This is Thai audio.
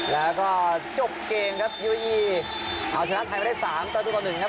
แล้วก็จบเกณฑ์ครับยูเอีเอาชนะไทยมาได้สามต้นหนึ่งนะครับ